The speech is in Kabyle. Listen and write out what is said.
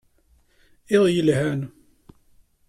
Iḍ yelhan.